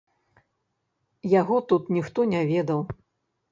Яго тут ніхто не ведаў.